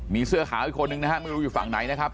มีเสื้อขาวอีกคนนึงนะฮะไม่รู้อยู่ฝั่งไหนนะครับ